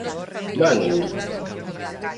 Van indo.